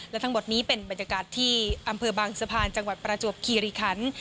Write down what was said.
และทั้งหมดนี้เป็นบรรยากาศที่อำเภอบางสะพานจังหวัดประจวบคีริคัน